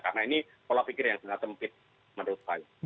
karena ini pola pikir yang sangat sempit menurut saya